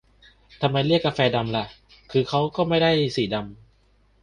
ทำไมเรียกกาแฟดำล่ะ คือเค้าก็ไม่ได้สีดำ